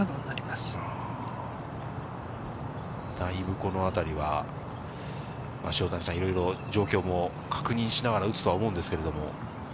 だいぶこのあたりは、塩谷さん、いろいろ状況も確認しながら打つとは思うんですけれども。